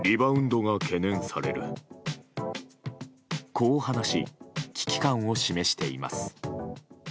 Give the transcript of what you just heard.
こう話し危機感を示しています。